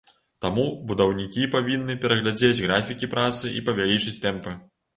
Таму будаўнікі павінны перагледзець графікі працы і павялічыць тэмпы.